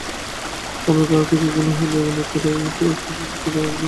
অন্তত আর কিছুর জন্য না হলেও অভিনবত্বের দিক থেকে এটিরও একবার পরীক্ষা করা যাক।